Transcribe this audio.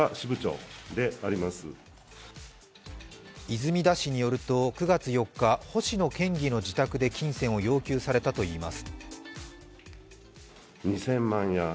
泉田氏によると９月４日、星野氏の自宅で金銭を要求されたといいます。